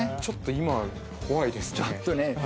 ちょっと今は怖いですね